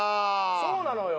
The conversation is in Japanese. そうなのよ。